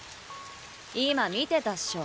今見てたっしょ？